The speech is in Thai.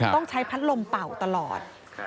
ต้องใช้พัดลมเป่าตลอด